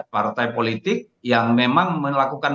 partai politik yang memang melakukan